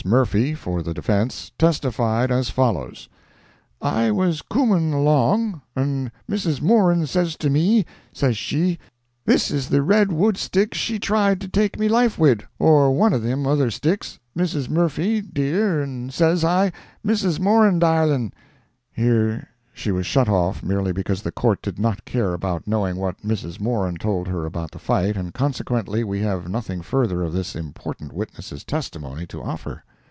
Murphy, for the defence, testified as follows: "I was coomun along, an' Misses Moran says to me, says she, this is the red wood stick she tried to take me life wid, or wan o' thim other sticks, Missis Murphy, dear, an' says I, Missis Moran, dairlin',"—Here she was shut off, merely because the Court did not care about knowing what Mrs. Moran told her about the fight, and consequently we have nothing further of this important witness's testimony to offer.